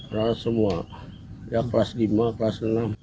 kelas semua ya kelas lima kelas enam